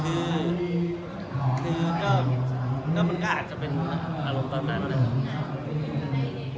คือคือก็ก็มันก็อาจจะเป็นอารมณ์ตอนนั้นแล้วนะ